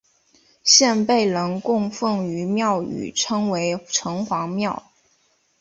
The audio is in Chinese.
现被人供奉于庙宇称为城隍庙。